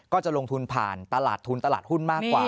ก็จะลงทุนผ่านตลาดทุนตลาดหุ้นมากกว่า